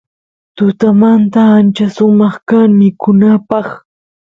tutamanta ancha sumaq kan mikunapaq